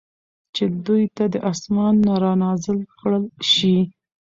چې دوی ته د آسمان نه را نازل کړل شي